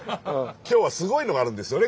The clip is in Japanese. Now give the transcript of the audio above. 今日はすごいのがあるんですよね